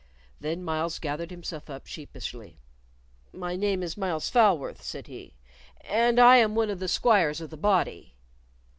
Then Myles gathered himself up sheepishly. "My name is Myles Falworth," said he, "and I am one of the squires of the body."